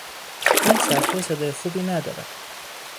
این صفحه صدای خوبی ندارد.